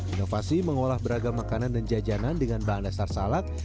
inovasi mengolah beragam makanan dan jajanan dengan bahan dasar salak